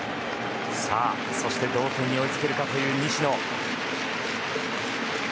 さあ、そして同点に追いつけるかという西野。